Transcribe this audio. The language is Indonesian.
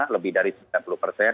lebih dari sembilan puluh persen